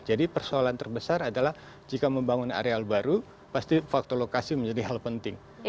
jadi persoalan terbesar adalah jika membangun area baru pasti faktor lokasi menjadi hal penting